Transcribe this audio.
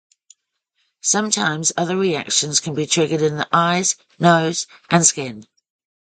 Sometimes other reactions can be triggered in the eyes, nose, and skin.